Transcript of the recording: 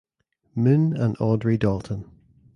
Moon and Audrey Dalton.